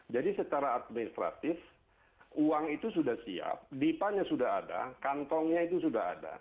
jadi secara administratif uang itu sudah siap dipanya sudah ada kantongnya itu sudah ada